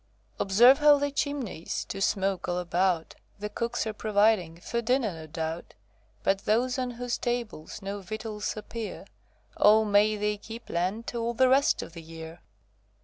Observe how the chimneys Do smoke all about; The cooks are providing For dinner, no doubt; But those on whose tables No victuals appear, O may they keep Lent All the rest of the year.